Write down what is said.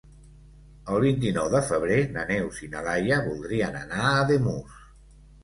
El vint-i-nou de febrer na Neus i na Laia voldrien anar a Ademús.